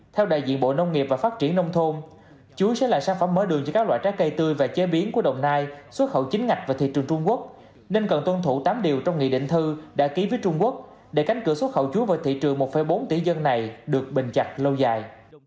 theo đại diện bộ nông nghiệp và phát triển nông thôn chuối sẽ là sản phẩm mở đường cho các loại trái cây tươi và chế biến của đồng nai xuất khẩu chính ngạch vào thị trường trung quốc nên cần tuân thủ tám điều trong nghị định thư đã ký với trung quốc để cánh cửa xuất khẩu chuối vào thị trường một bốn tỷ dân này được bình chặt lâu dài